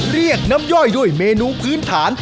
เรียกน้ำย่อยด้วยเมนูพื้นฐาน